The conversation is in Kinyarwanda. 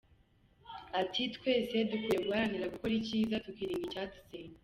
Ati : “Twese dukwiye guharanira gukora icyiza, tukirinda icyadusenya”.